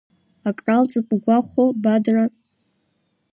Акралҵп, угәахәо, Бадра?